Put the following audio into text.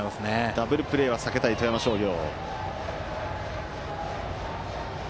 ダブルプレーは避けたい富山商業。